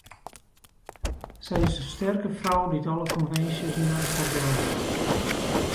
Sy is in sterke frou dy't alle konvinsjes neist har delleit.